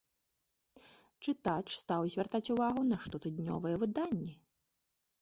Чытач стаў звяртаць увагу на штотыднёвыя выданні!